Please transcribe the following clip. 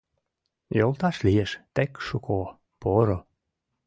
Йолташ лиеш тек шуко, поро